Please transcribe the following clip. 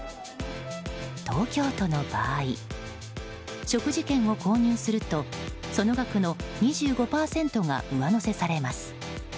東京都の場合食事券を購入するとその額の２５％が上乗せされます。